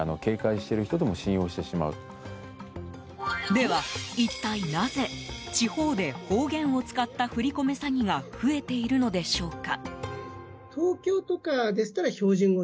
では一体なぜ、地方で方言を使った振り込め詐欺が増えているのでしょうか？